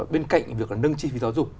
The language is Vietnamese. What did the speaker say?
bên cạnh việc là nâng chi phí giáo dục